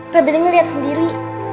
pebri ini lihat sendiri